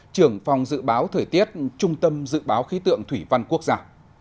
trưởng phòng dự báo thời tiết trung tâm dự báo khí tượng thủy văn quốc gia